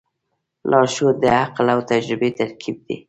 لارښود د عقل او تجربې ترکیب دی.